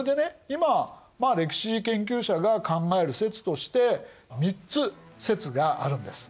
今歴史研究者が考える説として３つ説があるんです。